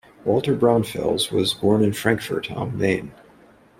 Walter Braunfels was born in Frankfurt am Main.